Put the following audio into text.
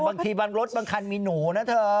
บางทีบางรถบางคันมีหนูนะเธอ